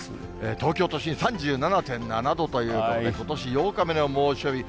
東京都心３７．７度ということで、ことし８日目の猛暑日。